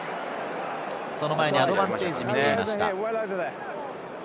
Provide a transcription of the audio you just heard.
その前にアドバンテージを見ていました。